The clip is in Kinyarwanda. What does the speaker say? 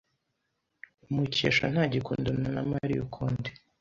Mukesha ntagikundana na Mariya ukundi.